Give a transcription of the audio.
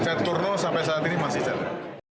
caturno sampai saat ini masih jalan